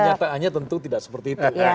kenyataannya tentu tidak seperti itu